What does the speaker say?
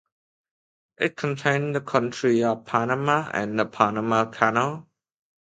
It contains the country of Panama and the Panama Canal.